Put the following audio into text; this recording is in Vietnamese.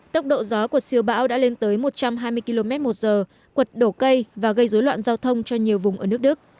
tốc độ gió của siêu bão đã lên tới một trăm hai mươi km một giờ quật đổ cây và gây dối loạn giao thông cho nhiều vùng ở nước đức